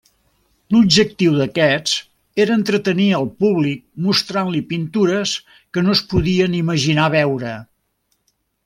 L'objectiu d'aquests era entretenir al públic mostrant-li pintures que no es podien imaginar veure.